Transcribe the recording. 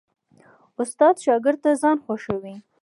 استاد شاګرد ته ځان خوښوي.